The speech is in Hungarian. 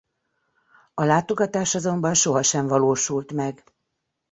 A látogatás azonban sosem valósult meg.